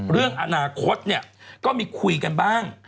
เรื่องอนาคตเนี่ยก็มีคุยกันบ้าง